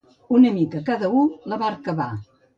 Una mica cada u, la barca va.